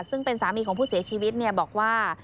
ซึ่งเป็นสามีของผู้เสียชีวิตบอกว่า